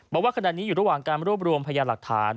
บอกว่าขณะนี้อยู่ระหว่างการรวบรวมพยาหลักฐาน